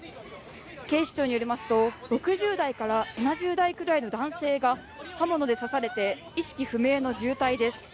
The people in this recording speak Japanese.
警視庁によりますと６０代から７０代くらいの男性が刃物で刺されて意識不明の重体です。